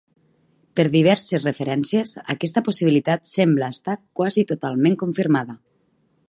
Per diverses referències aquesta possibilitat sembla estar quasi totalment confirmada.